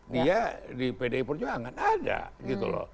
dia di pdi perjuangan ada gitu loh